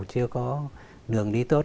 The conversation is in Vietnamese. chưa có đường đi tốt